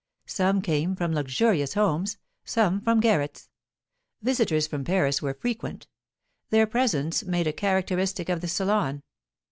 Some came from luxurious homes, some from garrets. Visitors from Paris were frequent; their presence made a characteristic of the salon.